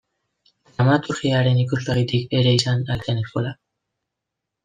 Dramaturgiaren ikuspegitik ere izan al zen eskola?